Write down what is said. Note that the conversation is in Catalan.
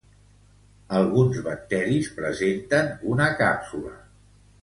Alguns bacteris presenten una càpsula.